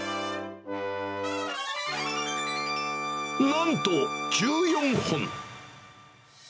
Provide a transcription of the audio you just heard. なんと、１４本。